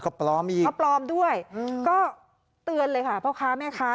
ก็ปลอมอีกก็ปลอมด้วยอืมก็เตือนเลยค่ะพ่อค้าแม่ค้า